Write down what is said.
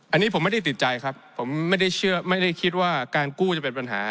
อันนี้ผมไม่ได้ติดใจครับผมไม่ได้คิดว่าการกู้จะเป็นปัญหา